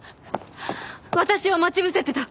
私を待ち伏せてた。